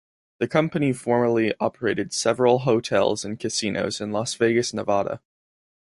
The company formerly operated several hotels and casinos in Las Vegas, Nevada.